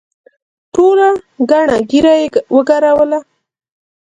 توره گڼه ږيره يې وګروله.